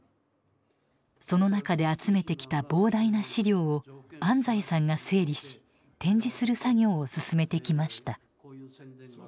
その中で集めてきた膨大な資料を安斎さんが整理し展示する作業を進めてきました。